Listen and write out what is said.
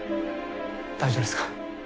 大丈夫ですか？